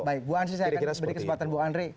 bu hansi saya akan beri kesempatan bu andri